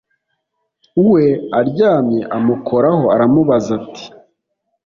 we aryamye amukoraho aramubaza ati